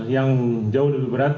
yang jauh lebih berat